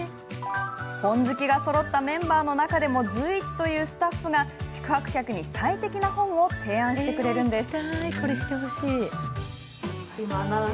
本好きがそろったメンバーの中でも随一というスタッフが、宿泊客に最適な本を提案してくれるんです。